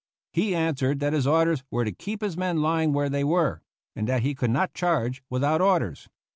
He answered that his orders were to keep his men lying where they were, and that he could not charge without orders.